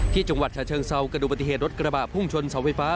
จังหวัดฉะเชิงเซากระดูกปฏิเหตุรถกระบะพุ่งชนเสาไฟฟ้า